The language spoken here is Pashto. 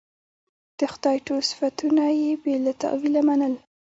د خدای ټول صفتونه یې بې له تأویله منل.